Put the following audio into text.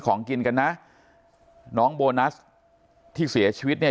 ของกินกันนะน้องโบนัสที่เสียชีวิตเนี่ย